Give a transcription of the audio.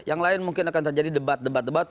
yang lain mungkin akan terjadi debat debat debat